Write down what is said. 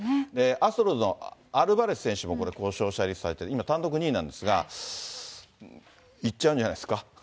アストロズのアルバレス選手も、これ、故障者リストに入ってる、今単独２位なんですが、いっちゃうんじゃないですか。